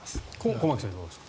駒木さん、いかがですか。